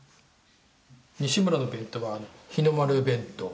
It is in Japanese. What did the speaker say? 西村の弁当は日の丸弁当。